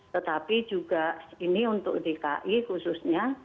tetapi juga ini untuk dki khususnya